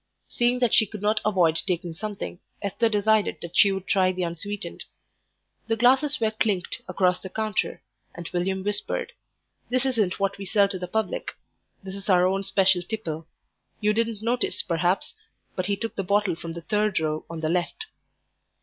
Seeing that she could not avoid taking something, Esther decided that she would try the unsweetened. The glasses were clinked across the counter, and William whispered, "This isn't what we sell to the public; this is our own special tipple. You didn't notice, perhaps, but he took the bottle from the third row on the left."